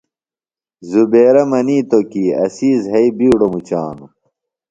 زبیرہ منِیتوۡ کی اسی زھئی بِیڈوۡ مُچانُوۡ۔